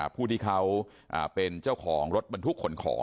ผู้ที่เขาเป็นเจ้าของรถบรรทุกขนของ